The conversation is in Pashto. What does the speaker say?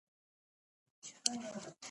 زه کولای شم تاسو سره مرسته وکړم، هیڅ خبره نه ده